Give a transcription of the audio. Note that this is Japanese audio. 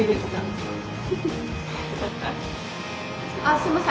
すいません。